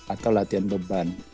atau latihan beban